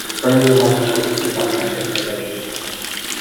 Earlier manuscripts do not contain the legend.